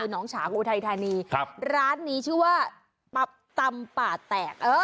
น้องฉาอุทัยธานีครับร้านนี้ชื่อว่าตำป่าแตก